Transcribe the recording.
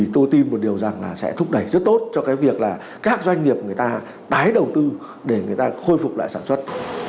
tôi tin một điều rằng sẽ thúc đẩy rất tốt cho các doanh nghiệp người ta tái đầu tư để người ta khôi phục lại sản xuất